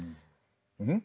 うん？